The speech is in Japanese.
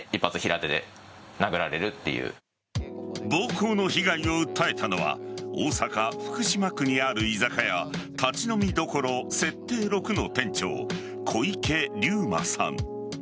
暴行の被害を訴えたのは大阪・福島区にある居酒屋立飲処設定６の店長小池竜馬さん。